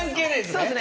そうですね